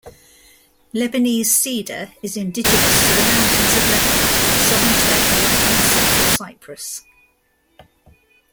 Lebanese cedar is indigenous to the mountains of Lebanon, southern Turkey, and central Cyprus.